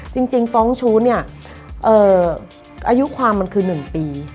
จริงฟ้องชู้เนี่ยอายุความมันคือ๑ปี